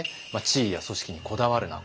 「地位や組織にこだわるな！